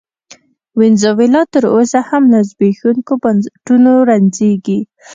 وینزویلا تر اوسه هم له زبېښونکو بنسټونو رنځېږي.